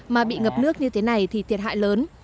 mà bị ngập nước như thế này thì thiệt hại lớn